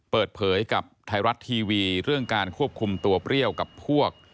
เปิดเผยกับไทยรัฐทีวีเรื่องการควบคุมตัวเปรี้ยวกับพวก